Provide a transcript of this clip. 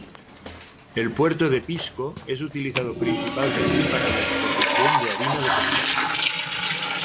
El puerto de Pisco es utilizado principalmente para la exportación de harina de pescado.